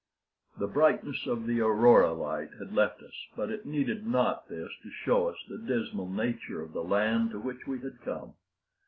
The brightness of the aurora light had left us, but it needed not this to show us the dismal nature of the land to which we had come.